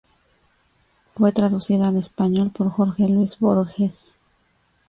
Fue traducida al español por Jorge Luis Borges.